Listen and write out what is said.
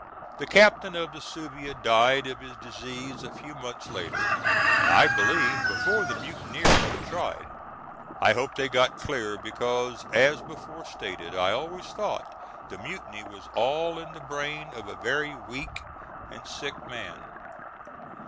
The captain of the Suviah died of his disease a few months later, and I believe before the mutineers were tried. I hope they got clear, because, as before stated, I always thought the mutiny was all in the brain of a very weak and sick man.